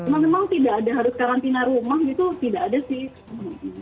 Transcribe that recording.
memang tidak ada harus karantina rumah gitu tidak ada sih